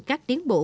các tiến bộ